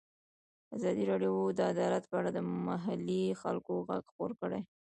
ازادي راډیو د عدالت په اړه د محلي خلکو غږ خپور کړی.